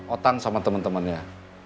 otang sama temen temennya